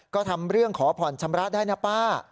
ก็ทำเรื่องขอผ่อนชำระได้นะป้า